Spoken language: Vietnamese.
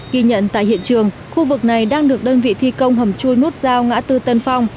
ghi nhận tại hiện trường khu vực này đang được đơn vị thi công hầm chui nút giao ngã tư tân phong